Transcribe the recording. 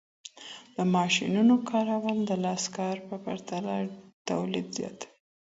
د ماشینونو کارول د لاسي کار په پرتله تولید زیاتوي.